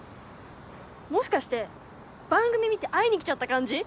もしかして番組見て会いに来ちゃった感じ？